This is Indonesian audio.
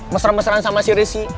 mesra mesraan sama si ricy